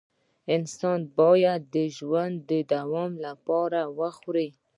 انسان باید د ژوند د دوام لپاره وخوري